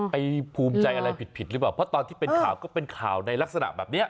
ภูมิใจอะไรผิดผิดหรือเปล่าเพราะตอนที่เป็นข่าวก็เป็นข่าวในลักษณะแบบนี้